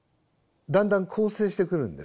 だんだん構成してくるんですね。